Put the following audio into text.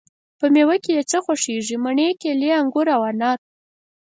په میوه کی د څه خوښیږی؟ مڼې، کیلې، انګور او انار